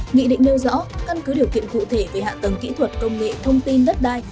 nghị định nêu rõ căn cứ điều kiện cụ thể về hạ tầng kỹ thuật công nghệ thông tin đất đai